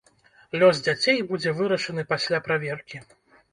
Лёс дзяцей будзе вырашаны пасля праверкі.